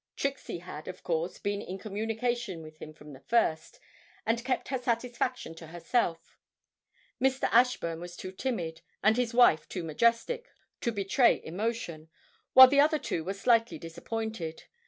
Trixie had, of course, been in communication with him from the first, and kept her satisfaction to herself; Mr. Ashburn was too timid, and his wife too majestic, to betray emotion, while the other two were slightly disappointed.